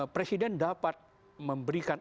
presiden dapat memberikan